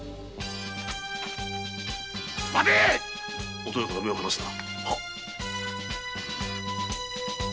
お豊から目を離すな！